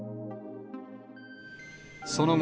その後、